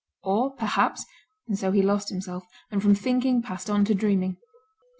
Or perhaps and so he lost himself, and from thinking, passed on to dreaming.